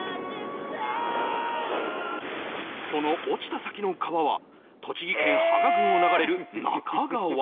その落ちた先の川は栃木県芳賀郡を流れる那珂川